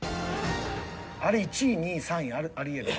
あれ１位２位３位ありえる。